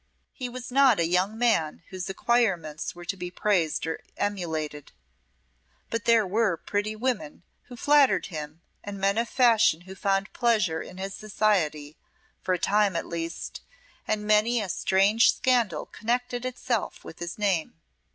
He was not a young man whose acquirements were to be praised or emulated, but there were pretty women who flattered him and men of fashion who found pleasure in his society, for a time at least, and many a strange scandal connected itself with his name.